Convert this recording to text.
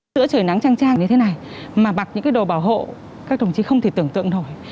sữa trời nắng trang trang như thế này mà bạc những đồ bảo hộ các đồng chí không thể tưởng tượng nổi